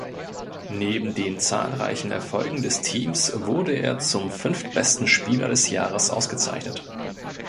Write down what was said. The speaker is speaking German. Neben den zahlreichen Erfolgen des Teams wurde er zum fünftbesten Spieler des Jahres ausgezeichnet.